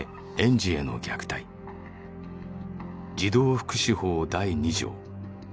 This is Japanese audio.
児童福祉法第二条。